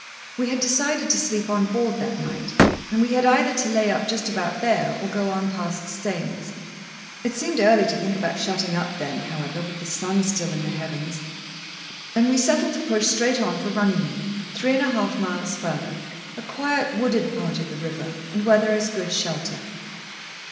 We had decided to sleep on board that night, and we had either to lay up just about there, or go on past Staines. It seemed early to think about shutting up then, however, with the sun still in the heavens, and we settled to push straight on for Runnymead, three and a half miles further, a quiet wooded part of the river, and where there is good shelter.